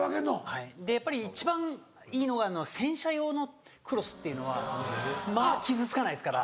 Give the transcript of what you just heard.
はいやっぱり一番いいのが洗車用のクロスっていうのはまぁ傷つかないですから。